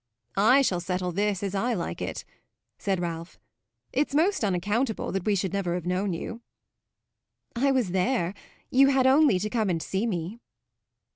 "I shall settle this as I like it," said Ralph. "It's most unaccountable that we should never have known you." "I was there you had only to come and see me."